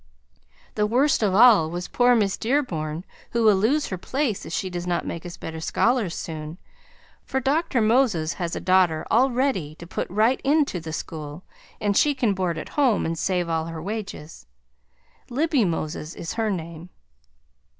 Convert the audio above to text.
The worst of all was poor Miss Dearborn, who will lose her place if she does not make us better scholars soon, for Dr. Moses has a daughter all ready to put right in to the school and she can board at home and save all her wages. Libby Moses is her name.